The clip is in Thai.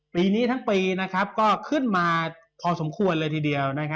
ปีนี้ทั้งปีก็ขึ้นมาพอสมควรเลยทีเดียว